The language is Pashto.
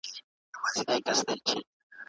پښتو ادبیات د کلتوري ارزښتونو پلټنه کوي.